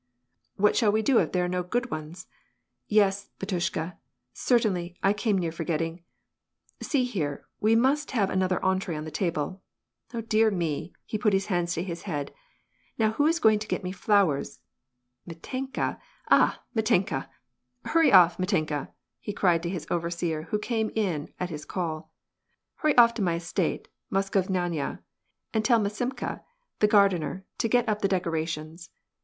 "What shall we do if there are no good ones? Yes, bat [ushka, certainly — I came near forgetting. See here, we must lave another ejitree on the table. Oh dear me I " he put his ;iands to his head. " Now who is going to get me flowers — Vf itenka ! ah ! Mitenka !— hurry off, Mitenka !" he cried to ^is overseer, who came in at his call, "Hurry off to my estate yod'Moskovnaya^* and tell Maksimka, the gardener, to get up ■he decorations.